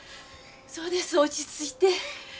そうです落ちついて。